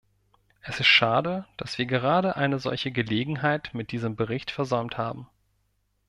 Es ist schade, dass wir gerade eine solche Gelegenheit mit diesem Bericht versäumt haben.